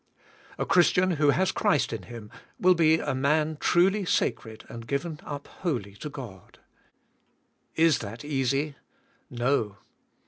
A Christian who has Christ in him, will be a man truly sacred and given up wholly to God. Is that easy? No.